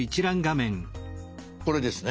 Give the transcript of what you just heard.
これですね。